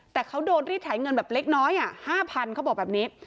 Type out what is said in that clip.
แต่เขาโดนรีดถ่ายเงินแบบเล็กน้อย๕๐๐เขาบอกแบบนี้